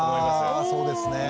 あそうですね。